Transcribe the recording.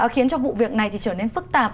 khiến cho vụ việc này trở nên phức tạp